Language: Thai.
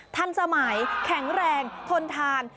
ทันสมัยแข็งแรงทนทาน